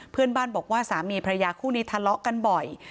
เพื่อนบ้านบอกว่าสามีพระยาคู่นี้ทะเลาะกันบ่อย